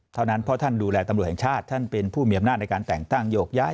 เท่านั้นเพราะท่านดูแลตำรวจแห่งชาติท่านเป็นผู้มีอำนาจในการแต่งตั้งโยกย้าย